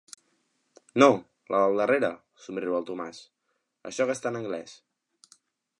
No, la del darrere –somriu el Tomàs–, això que està en anglès.